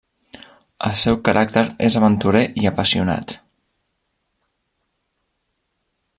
El seu caràcter és aventurer i apassionat.